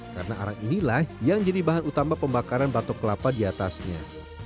karena arang inilah yang jadi bahan utama pembakaran batok kelapa diatasnya